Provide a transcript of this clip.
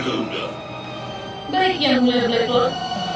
baik yang mulia black lord